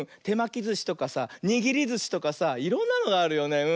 てまきずしとかさにぎりずしとかさいろんなのがあるよね。